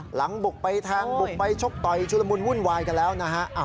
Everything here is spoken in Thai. หลังบุกไปแทงบุกไปชกต่อยชุลมุนวุ่นวายกันแล้วนะฮะ